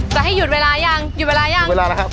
จะให้หยุดเวลายังหยุดเวลายัง